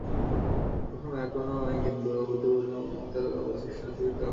এখানে এখনো অনেক হিন্দু ও বৌদ্ধ মন্দির এবং তাদের অবশিষ্টাংশ বিদ্যমান।